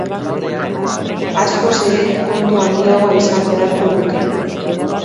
Askoz ere kontu handiagoa izan beharko luke.